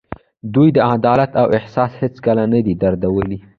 دوی د عدالت احساس هېڅکله نه دی درلودلی.